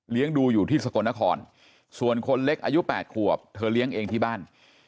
ดูอยู่ที่สกลนครส่วนคนเล็กอายุ๘ขวบเธอเลี้ยงเองที่บ้าน